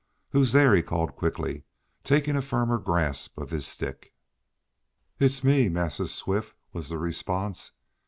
"Who's there?" he called quickly, taking a firmer grasp of his stick. "It's me, Massa Swift," was the response.